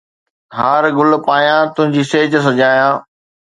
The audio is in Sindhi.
ھار ڳل پايان تنهنجي سيج سجايان